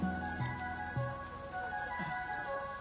うん。